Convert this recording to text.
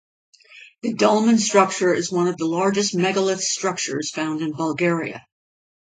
The dolmen structure is one of the largest megalith structures found in Bulgaria.